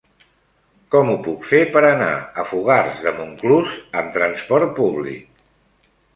Com ho puc fer per anar a Fogars de Montclús amb trasport públic?